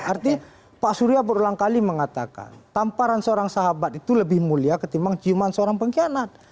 artinya pak surya berulang kali mengatakan tamparan seorang sahabat itu lebih mulia ketimbang ciuman seorang pengkhianat